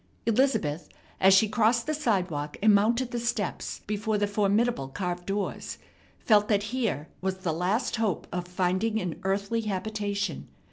Elizabeth, as she crossed the sidewalk and mounted the steps before the formidable carved doors, felt that here was the last hope of finding an earthly habitation.